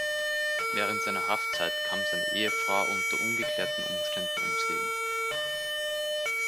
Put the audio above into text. Während seiner Haftzeit kam seine Ehefrau unter ungeklärten Umständen ums Leben.